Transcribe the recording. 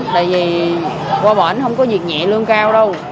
tại vì qua bọn không có việc nhẹ lương cao đâu